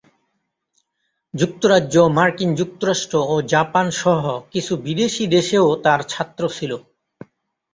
যুক্তরাজ্য, মার্কিন যুক্তরাষ্ট্র ও জাপান সহ কিছু বিদেশী দেশেও তার ছাত্র ছিল।